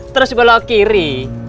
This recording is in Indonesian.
terus belok kiri